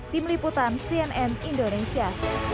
tim liputan cnn indonesia